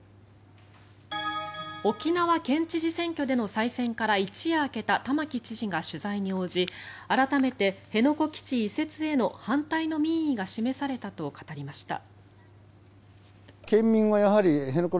沖縄県知事選挙での再選から一夜明けた玉城知事が取材に応じ改めて辺野古基地移設への反対の民意が示されたと語りました。